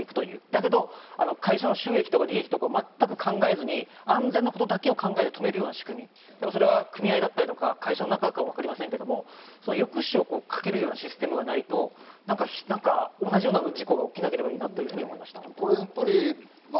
だけど会社の収益とか利益とか全く考えずに安全のことだけを考えて止めるような仕組み、組合だったり、会社なのかわかりませんけど、抑止力をかけるようなシステムがないと同じような事故が起きなければいいなと思いました。